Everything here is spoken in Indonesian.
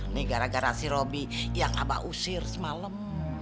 nih gara gara si robby yang aba usir semalem